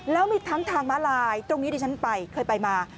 แล้วมีทั้งทางม้าลายตรงนี้ที่ฉันไปเคยไปมา